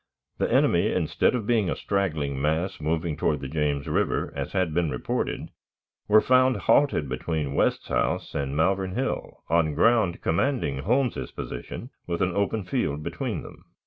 The enemy, instead of being a straggling mass moving toward the James River, as had been reported, were found halted between West's house and Malvern Hill on ground commanding Holmes's position, with an open field between them.